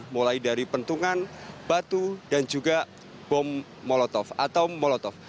mulai dari pentungan batu dan juga bom molotov